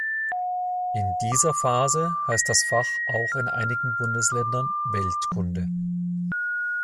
In dieser Phase heißt das Fach auch in einigen Bundesländern Weltkunde.